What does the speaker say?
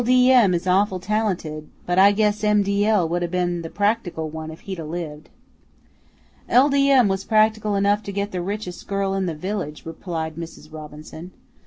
D. M. is awful talented, but I guess M. D. L. would 'a' ben the practical one if he'd 'a' lived." "L. D. M. was practical enough to get the richest girl in the village," replied Mrs. Robinson.